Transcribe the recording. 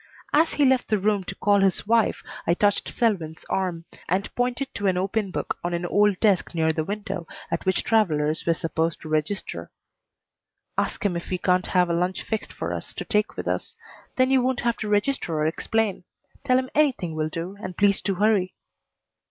As he left the room to call his wife I touched Selwyn's arm and pointed to an open book on an old desk near the window at which travelers were supposed to register. "Ask him if he can't have a lunch fixed for us to take with us. Then you won't have to register or explain. Tell him anything will do, and please to hurry!"